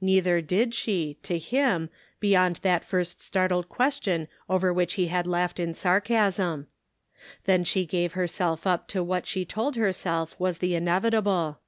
Neither did she, to him, beyond that first startled question over which he had laughed in sarcasm. Then she gave herself up to what she told herself was the inevitable.